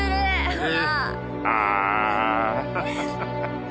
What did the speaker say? ほら。